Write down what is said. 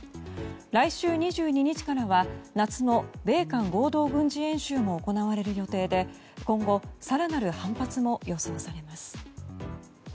来週２２日からは夏の米韓合同軍事演習も行われる予定で今後更なる反発も予想されます。